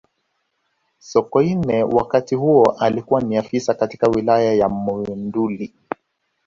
sokoine wakati huo alikuwa ni afisa katika wilaya ya monduli